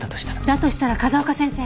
だとしたら風丘先生。